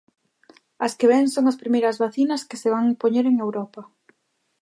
As que ven son as primeiras vacinas que se van poñer en Europa.